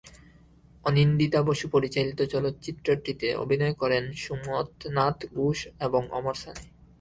অনিন্দিতা বসু পরিচালিত চলচ্চিত্রটিতে অভিনয় করেন সুমথনাথ ঘোষ এবং ওমর সানী।